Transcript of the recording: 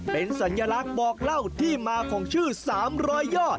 เป็นสัญลักษณ์บอกเล่าที่มาของชื่อ๓๐๐ยอด